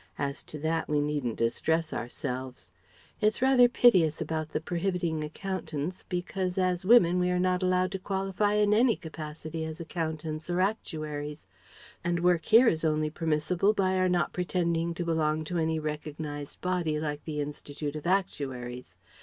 As to that we needn't distress ourselves. It's rather piteous about the prohibiting Accountants, because as women we are not allowed to qualify in any capacity as Accountants or Actuaries; and work here is only permissible by our not pretending to belong to any recognized body like the Institute of Actuaries.